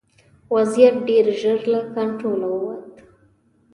وضعیت ډېر ژر له کنټروله ووت.